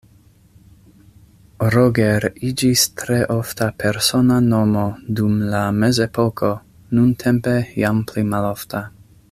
Roger iĝis tre ofta persona nomo dum la mezepoko, nuntempe jam pli malofta.